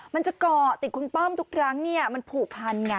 มันจะเกาะติดคุณป้อมทุกครั้งมันผูกพันไง